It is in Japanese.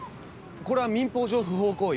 これは民法上不法行為。